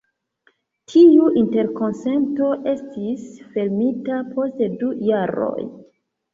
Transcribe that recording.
Tiu interkonsento estis fermita post du jaroj.